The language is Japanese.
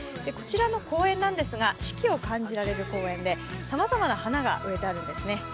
こちらの公園なんですが、四季を感じられる公園でさまざまな花が植えてあるんですね。